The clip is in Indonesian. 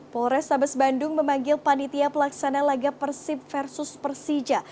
polres tabes bandung memanggil panitia pelaksana laga persib versus persija